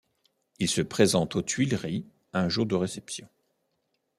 Il se présente aux Tuileries un jour de réception.